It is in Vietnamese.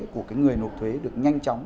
của cái người nộp thuế được nhanh chóng